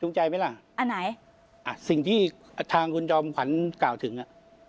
ใจไหมล่ะอันไหนอ่ะสิ่งที่ทางคุณจอมขวัญกล่าวถึงอ่ะ